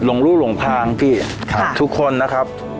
รู้หลงพางพี่ทุกคนนะครับ